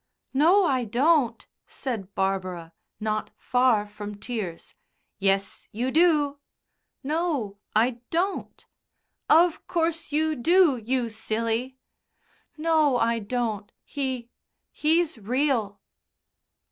"No, I don't," said Barbara, not far from tears. "Yes, you do." "No, I don't." "Of course you do, you silly." "No, I don't. He he's real."